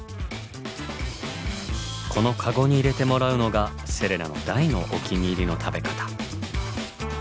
このカゴに入れてもらうのがセレナの大のお気に入りの食べ方。